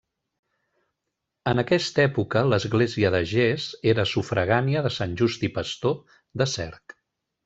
En aquesta època l'església de Ges era sufragània de Sant Just i Pastor de Cerc.